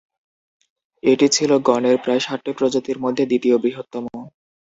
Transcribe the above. এটি ছিল গণের প্রায় সাতটি প্রজাতির মধ্যে দ্বিতীয় বৃহত্তম।